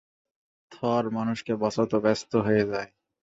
থর মানুষকে বাঁচাতে ব্যস্ত হয়ে যায়।